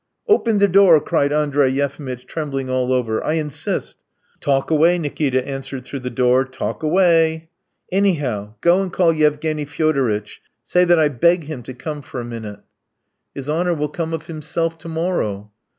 "Open the door," cried Andrey Yefimitch, trembling all over; "I insist!" "Talk away!" Nikita answered through the door, "talk away. ..." "Anyhow, go and call Yevgeny Fyodoritch! Say that I beg him to come for a minute!" "His honour will come of himself to morrow."